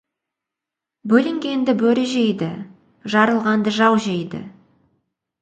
Бөлінгенді бөрі жейді, жарылғанды жау жейді.